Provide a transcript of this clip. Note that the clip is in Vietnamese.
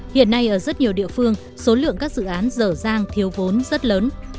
hiện nay ở rất nhiều địa phương số lượng các dự án dở dang thiếu vốn rất lớn